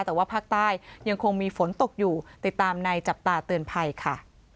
แต่ว่าภาคใต้ยังคงมีฝนตกอยู่ติดตามในจับตาเตือนภัยค่ะ